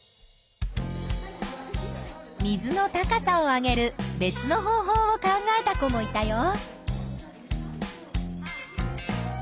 水の高さを上げる別の方法を考えた子もいたよ。